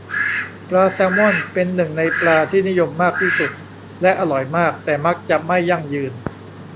ปลาแซลมอนเป็นหนึ่งในปลาที่นิยมมากที่สุดและอร่อยมาก แต่มักจะไม่ยั่งยืน